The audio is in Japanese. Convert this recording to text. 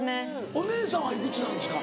お姉さんは幾つなんですか？